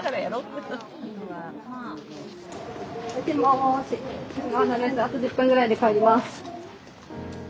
あと１０分ぐらいで帰ります。